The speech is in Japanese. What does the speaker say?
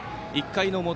１回の表。